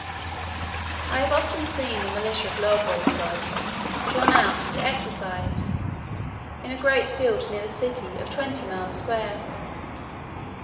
I have often seen the militia of Lorbrulgrud drawn out to exercise, in a great field near the city of twenty miles square.